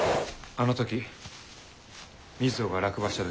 あの時瑞穂が落馬した時。